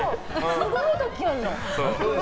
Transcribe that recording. すごい時ある。